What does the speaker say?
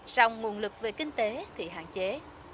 ròng nguồn lực về kinh tế thì hạn chế